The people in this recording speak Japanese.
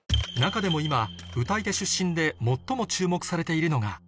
中でも今「歌い手」出身で最も注目されているのが